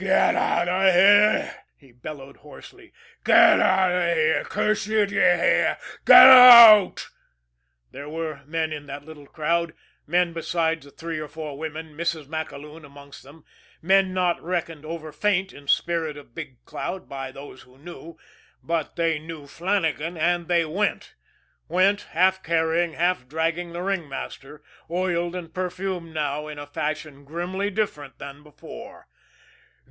"Get out of here!" he bellowed hoarsely. "Get out, curse you, d'ye hear! Get out!" There were men in that little crowd, men besides the three or four women, Mrs. MacAloon amongst them; men not reckoned overfaint of spirit in Big Cloud by those who knew, but they knew Flannagan, and they went went, half carrying, half dragging the ringmaster, oiled and perfumed now in a fashion grimly different than before.